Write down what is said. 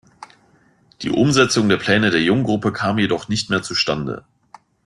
Die Umsetzung der Pläne der Jung-Gruppe kamen jedoch nicht mehr zustande.